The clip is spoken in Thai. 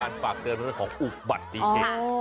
ฝากเตือนเรื่องของอุบัติเหตุ